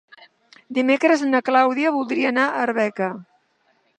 Dimecres na Clàudia voldria anar a Arbeca.